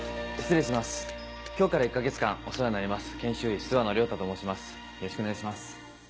あっ今日から１か月間お世話になります。